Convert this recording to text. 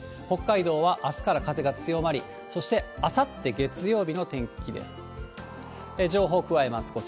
北海道はあすから風が強まり、そしてあさって月曜日の天気です。